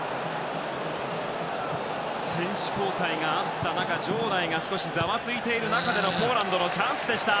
選手交代があった中場内が少しざわついている中でのポーランドのチャンスでした。